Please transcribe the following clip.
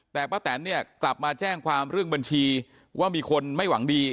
แต่ป้าแตนเนี่ยกลับมาแจ้งความเรื่องบัญชีว่ามีคนไม่หวังดี